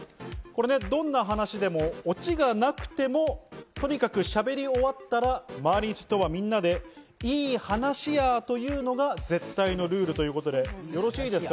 どんな話でもオチがなくてもとにかくしゃべり終わったら周りの人はみんなで「良い話や」というのが絶対のルールです。